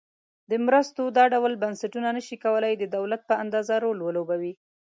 د مرستو دا ډول بنسټونه نشي کولای د دولت په اندازه رول ولوبوي.